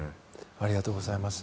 ありがとうございます。